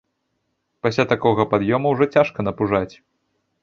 Пасля такога пад'ёма ўжо цяжка напужаць.